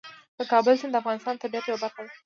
د کابل سیند د افغانستان د طبیعت یوه برخه ده.